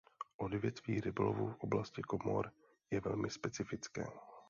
Odvětví rybolovu v oblasti Komor je velmi specifické.